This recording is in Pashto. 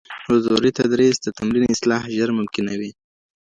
حضوري تدريس د تمرين اصلاح ژر ممکنوي.